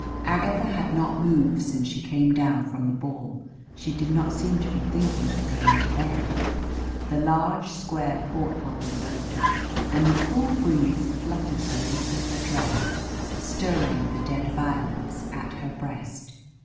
Agatha had not moved since she came down from the ball. She did not seem to be thinking of going to bed. The large square port hole was open, and the cool breeze fluttered the lace of her dress, stirring the dead violets at her breast.